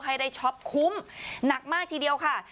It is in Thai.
ให้ได้ช็อปคุ้มหนักมากทีเดียวค่ะ